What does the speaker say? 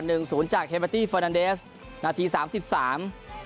ศูนย์จากเฮเบอร์ตี้เฟอร์นันเดสนาทีสามสิบสาม